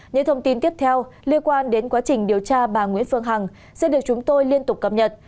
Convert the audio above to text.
những thông tin tiếp theo liên quan đến quá trình điều tra bà nguyễn phương hằng sẽ được chúng tôi liên tục cập nhật